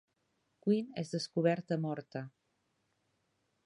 Quinn és descoberta morta.